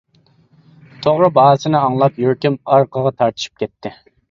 توغرا، باھاسىنى ئاڭلاپ يۈرىكىم ئارقىغا تارتىشىپ كەتتى.